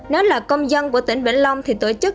nếu là công dân của tỉnh vĩnh long thì tổ chức